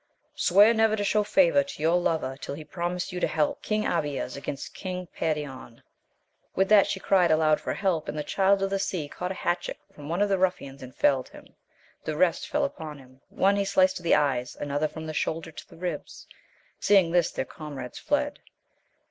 Swear never to show favour to your lover till he promise you to help King Abies against King Perion. With that she cried aloud for help, and the Child of the Sea caught a hatchet from one of the Tuffians, and felled him. The rest fell upon him ; one he sliced to the eyes, another from the shoulder to the ribs: seeing this their comrades fled.